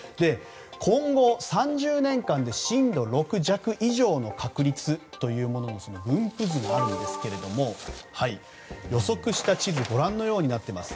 今後、３０年間で震度６弱以上の確率というものの分布図ですが予測した地図ご覧のようになっています。